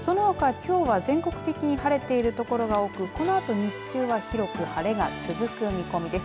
きょうは全国的に晴れている所が多くこのあと日中は広く晴れが続く見込みです。